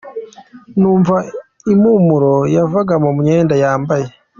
Numva impumuro yavaga mu myenda yambaye.